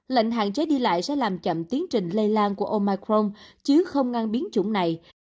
lệnh hạn chế đi lại sẽ làm chậm tiến trình lây lan của omicron chứ không ngăn biến chủng này